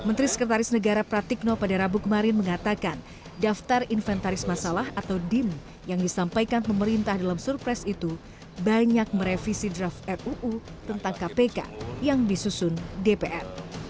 menteri sekretaris negara pratikno pada rabu kemarin mengatakan daftar inventaris masalah atau dim yang disampaikan pemerintah dalam surpres itu banyak merevisi draft ruu tentang kpk yang disusun dpr